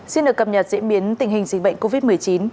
xin được cập nhật diễn biến tình hình dịch bệnh covid một mươi chín